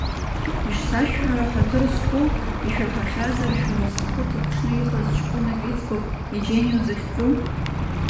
Ишсашәҳәара, ҳаҭыр зқәу, ишәаҳахьазар шәара зхы ҭаԥҽны иҟаз ҷкәынак иӡбахә, Еџьенио захьӡу?